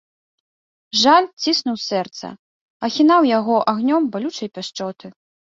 Жаль ціснуў сэрца, ахінаў яго агнём балючай пяшчоты.